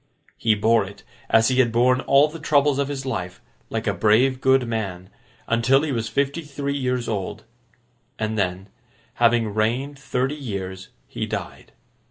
He bore it, as he had borne all the troubles of his life, like a brave good man, until he was fifty three years old; and then, having reigned thirty years, he died.